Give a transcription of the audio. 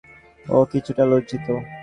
ও কিছুটা লজ্জিত।